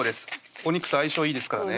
お肉と相性いいですからね